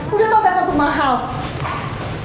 udah tau berapa tuh mahal